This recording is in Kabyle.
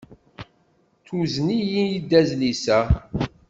Tuzen-iyi-d adlis-a.